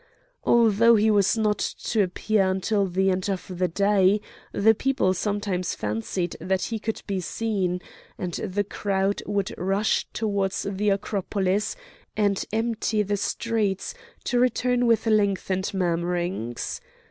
Although he was not to appear until the end of the day, the people sometimes fancied that he could be seen, and the crowd would rush towards the Acropolis, and empty the streets, to return with lengthened murmurings.